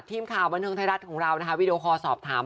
ทีมข่าวบันเทิงไทยรัฐของเรานะคะวีดีโอคอลสอบถาม